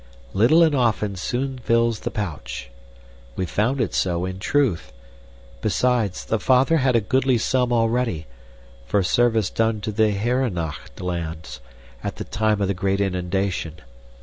'Little and often soon fills the pouch.' We found it so, in truth. Besides, the father had a goodly sum already, for service done to the Heernocht lands, at the time of the great inundation.